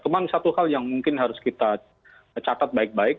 cuma satu hal yang mungkin harus kita catat baik baik